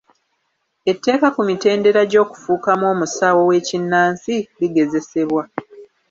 Etteeka ku mitendera gy'okufuukamu omusawo w'ekkinnansi ligezesebwa.